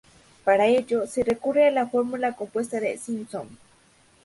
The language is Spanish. Para ello, se recurre a la fórmula compuesta de Simpson.